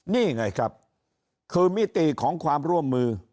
นี่ไงครับคือมิติของความร่วมมือ